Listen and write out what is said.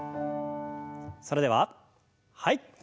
それでははい。